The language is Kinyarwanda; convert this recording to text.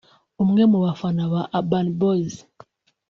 umwe mu bafana ba Urban Boyz